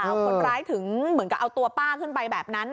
คนร้ายถึงเหมือนกับเอาตัวป้าขึ้นไปแบบนั้น